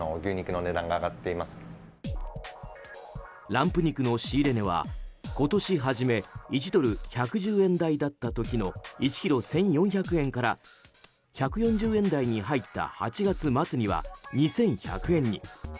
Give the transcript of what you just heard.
ランプ肉の仕入れ値は今年初め１ドル＝１１０円台だった時の１ｋｇ１４００円から１４０円台に入った８月末には２１００円に。